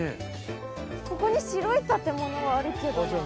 ここに白い建物あるけどな。